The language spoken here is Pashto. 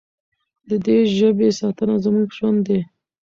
د دې ژبې ساتنه زموږ ژوند دی.